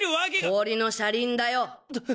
氷の車輪だよ。